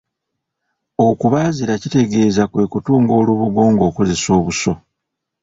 Okubaziira kitegeeza kwe kutunga olubugo ng'okozesa obuso.